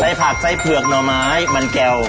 ผักไส้เผือกหน่อไม้มันแก้ว